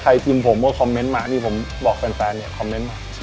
ถ้าใครซิมผมก็คอมเมนต์มาที่ผมบอกแฟนเนี้ยคอมเมนต์มา